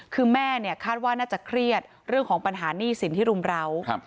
คือแม่เนี่ยคาดว่าน่าจะเครียดเรื่องของปัญหาหนี้สินที่รุมราว